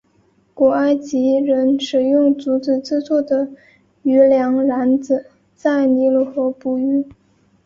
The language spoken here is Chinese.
古埃及人使用竹子制作的渔梁篮子在尼罗河捕鱼。